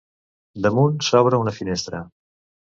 Damunt s'obre una finestra.